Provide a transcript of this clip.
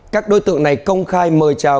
các đối tượng này công khai mời chào